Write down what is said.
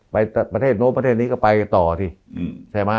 ไปประเทศโน้นประเทศนี้ก็ไปต่อสิ